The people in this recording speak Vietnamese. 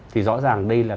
thì rõ ràng đây là